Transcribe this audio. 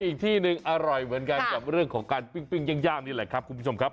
อีกที่หนึ่งอร่อยเหมือนกันกับเรื่องของการปิ้งย่างนี่แหละครับคุณผู้ชมครับ